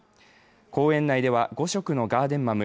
公園内では５色のガーデンマム